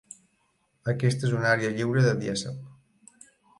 Aquesta és una àrea lliure de dièsel.